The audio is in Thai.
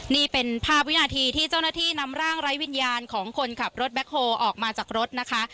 นี่เป็นภาพวินาทีที่เจ้าหน้าที่นำร่างไร้วิญญาณของคนขับรถแบ็คโฮออกมาจากรถนะคะ